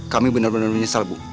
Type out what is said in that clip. kami bener bener menyesal bu